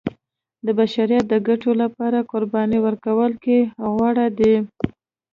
د بشریت د ګټو لپاره قربانۍ ورکولو کې غوره دی.